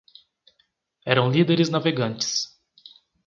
Eram líderes navegantes